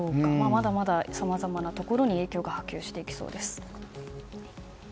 まだまだ、さまざまなところに影響が波及してきそうです。